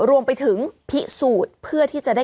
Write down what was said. รวมไปถึงพิสูจน์เพื่อที่จะได้